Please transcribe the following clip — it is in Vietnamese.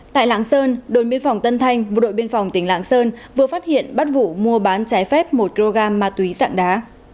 tại lãng sơn đồn biên phòng tân thanh vụ đội biên phòng tỉnh lãng sơn vừa phát hiện bắt vụ mua bán trái phép một kg ma túy sạng đá